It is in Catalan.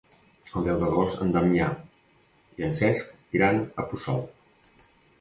El deu d'agost en Damià i en Cesc iran a Puçol.